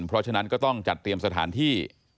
เพราะฉะนั้นก็ต้องจัดเตรียมสถานที่